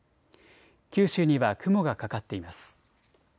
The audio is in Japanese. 九州には雲がかかっています。